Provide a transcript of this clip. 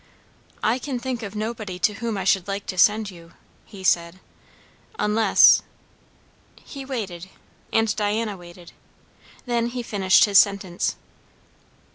"I can think of nobody to whom I should like to send you," he said. "Unless" He waited, and Diana waited; then he finished his sentence.